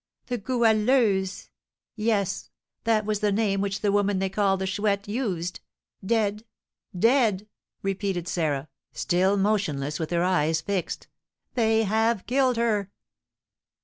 "The Goualeuse! Yes, that was the name which the woman they call the Chouette used. Dead dead!" repeated Sarah, still motionless, with her eyes fixed. "They have killed her!"